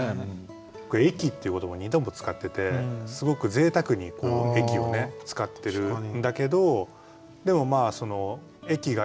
「駅」っていう言葉を２度も使っててすごくぜいたくに「駅」を使ってるんだけどでもその「駅が」